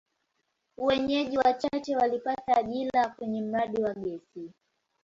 Wenyeji wachache walipata ajira kwenye mradi wa gesi.